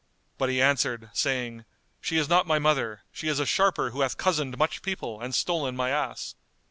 But he answered, saying, "She is not my mother; she is a sharper who hath cozened much people and stolen my ass."